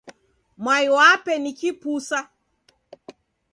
Mwai wape ni kipusa.